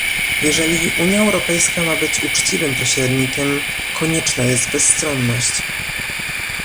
Jeżeli Unia Europejska ma być uczciwym pośrednikiem konieczna jest bezstronność